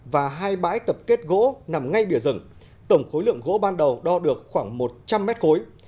và hai bãi tập kết gỗ nằm ngay bìa rừng tổng khối lượng gỗ ban đầu đo được khoảng một trăm linh mét khối